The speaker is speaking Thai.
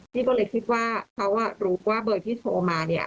พี่ก็เลยคิดว่าเขารู้ว่าเบอร์ที่โทรมาเนี่ย